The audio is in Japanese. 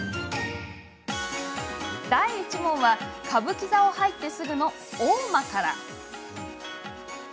第１問は歌舞伎座を入ってすぐの大間から。